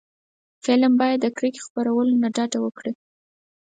فلم باید د کرکې خپرولو نه ډډه وکړي